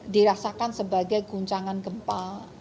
dirasakan sebagai guncangan gempa